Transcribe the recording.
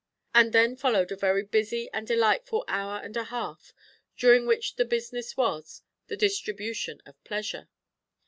And then followed a very busy and delightful hour and a half, during which the business was the distribution of pleasure.